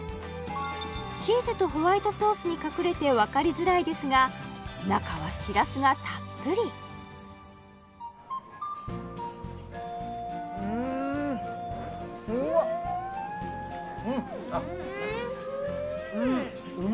チーズとホワイトソースに隠れてわかりづらいですが中はしらすがたっぷりうんうわっうん！